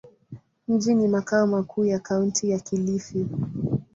Mji ni makao makuu ya Kaunti ya Kilifi.